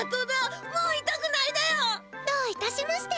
どういたしまして。